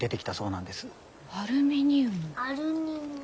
アルミニウム？